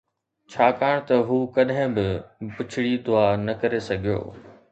ڇاڪاڻ ته هو ڪڏهن به بڇڙي دعا نه ڪري سگهيو